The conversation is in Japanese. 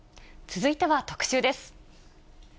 続いては特集です。